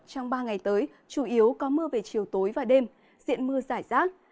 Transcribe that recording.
trong ba ngày tới chủ yếu có mưa về chiều tối và đêm diện mưa giải rác